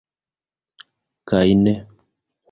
Kaj ne!